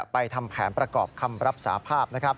ทำแผนประกอบคำรับสาภาพ